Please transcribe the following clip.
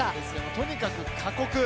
とにかく過酷。